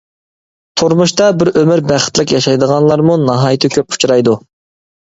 تۇرمۇشتا بىر ئۆمۈر بەختلىك ياشايدىغانلارمۇ ناھايىتى كۆپ ئۇچرايدۇ.